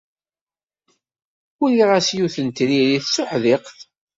Uriɣ-as yiwet n tririt d tuḥdiqt.